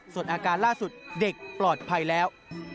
ส่วนอาการล่าสุดเด็กปลอดภัยแล้ว